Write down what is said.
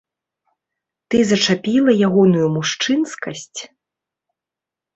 Ты зачапіла ягоную мужчынскасць?